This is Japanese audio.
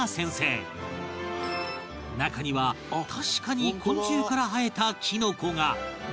中には確かに昆虫から生えたきのこが